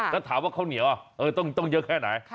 แล้วถามว่าข้าวเหนียวต้องเยอะแค่ไหน